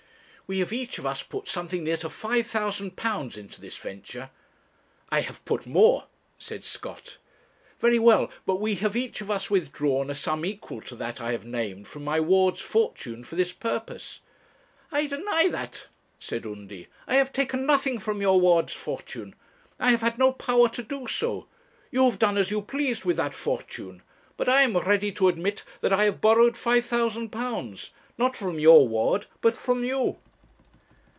We have each of us put something near to £5,000 into this venture.' 'I have put more,' said Scott. 'Very well. But we have each of us withdrawn a sum equal to that I have named from my ward's fortune for this purpose.' 'I deny that,' said Undy. 'I have taken nothing from your ward's fortune. I have had no power to do so. You have done as you pleased with that fortune. But I am ready to admit that I have borrowed £5,000 not from your ward, but from you.'